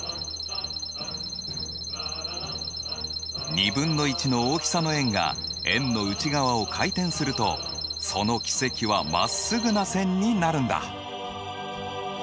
２分の１の大きさの円が円の内側を回転するとその軌跡はまっすぐな線になるんだ。